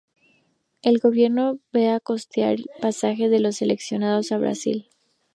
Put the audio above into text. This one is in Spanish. El gobierno va costear el pasaje de los seleccionados a Brasil.